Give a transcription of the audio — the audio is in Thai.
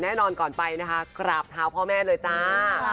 แน่นอนก่อนไปนะคะกราบเท้าพ่อแม่เลยจ้า